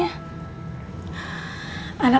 anak anak itu ibarat aliran sungai yang mengalir